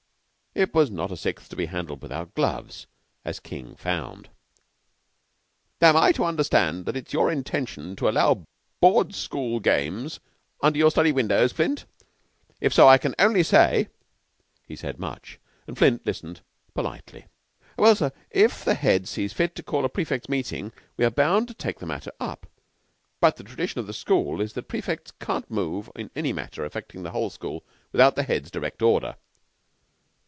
It was not a Sixth to be handled without gloves, as King found. "Am I to understand it is your intention to allow board school games under your study windows, Flint? If so, I can only say " He said much, and Flint listened politely. "Well, sir, if the Head sees fit to call a prefects' meeting we are bound to take the matter up. But the tradition of the school is that the prefects can't move in any matter affecting the whole school without the Head's direct order."